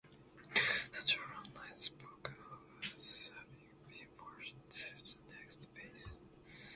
Such a runner is spoken of as having been forced to the next base.